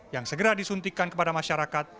yang segera disuntikan kepada masyarakat